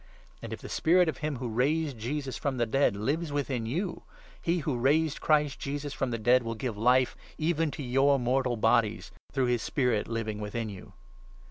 And, if the Spirit of him who raised Jesus from n the dead lives within you, he who raised Christ Jesus from the dead will give Life even to your mortal bodies, through his Spirit living within you.